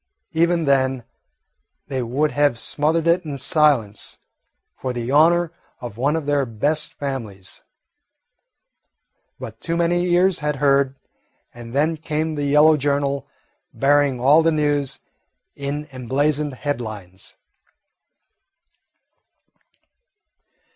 Even then they would have smothered it in silence, for the honour of one of their best families; but too many ears had heard, and then came the yellow journal bearing all the news in emblazoned headlines.